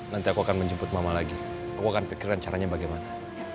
nanti aku akan menjemput mama lagi aku akan pikiran caranya bagaimana